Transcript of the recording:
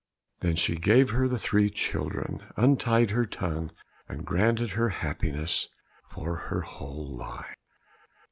Then she gave her the three children, untied her tongue, and granted her happiness for her whole life.